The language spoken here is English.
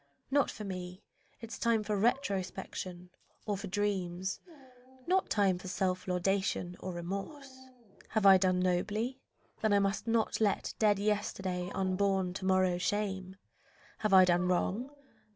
Not for me Is time for retrospection or for dreams, Not time for self laudation or remorse. Have I done nobly? Then I must not let Dead yesterday unborn to morrow shame. Have I done wrong?